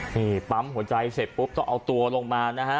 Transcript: นี่ปั๊มหัวใจเสร็จปุ๊บต้องเอาตัวลงมานะฮะ